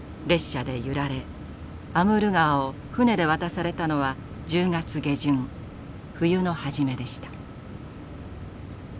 アムール川を船で渡されたのは１０月下旬冬の初めでした。